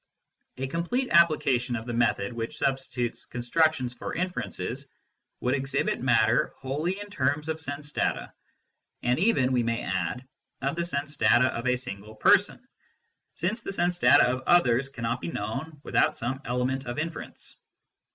A complete application of the method which substitutes j constructions for inferences would exhibit matter wholly / in terms of sense data, and even, we may add, of the sense V data of a single person, since the sense data of others V cannot be known without some element of inference.